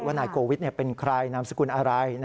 นายโกวิทเป็นใครนามสกุลอะไร